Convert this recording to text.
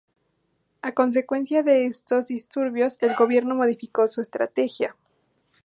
A consecuencia de estos disturbios el gobierno modificó su estrategia.